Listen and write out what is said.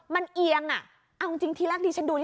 มันเอียงอ่ะเอาจริงทีแรกที่ฉันดู